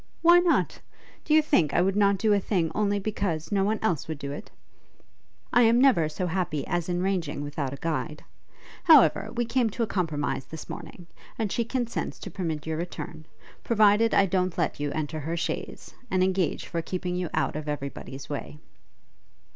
'Why not? Do you think I would not do a thing only because no one else would do it? I am never so happy as in ranging without a guide. However, we came to a compromise this morning; and she consents to permit your return, provided I don't let you enter her chaise, and engage for keeping you out of every body's way.'